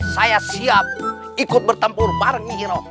saya siap ikut bertempur bareng nyi rom